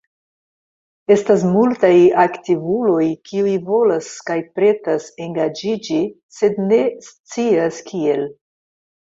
Estas multaj aktivuloj kiuj volas kaj pretas engaĝiĝi sed ne scias kiel.